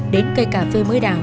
đến cây cà phê mới đào